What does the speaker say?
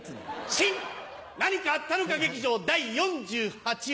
新・何かあったのか劇場第４８話。